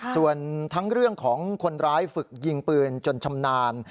ส่วนทั้งเรื่องของคนร้ายฝึกยิงปืนจนชำนาญ